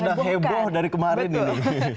sudah heboh dari kemarin ini